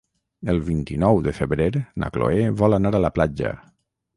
El vint-i-nou de febrer na Chloé vol anar a la platja.